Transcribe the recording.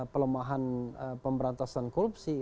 pelemahan pemberantasan korupsi